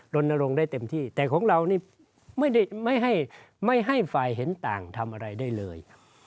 ลนลงได้เต็มที่แต่ของเรานี่ไม่ได้ไม่ให้ไม่ให้ฝ่ายเห็นต่างทำอะไรได้เลย